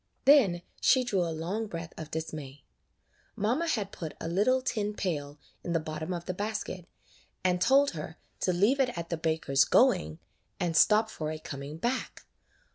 Then she drew a long breath of dismay. Mamma had put a little tin pail in the bottom of the basket, and told her to leave it at the baker's going, and stop for it coming back.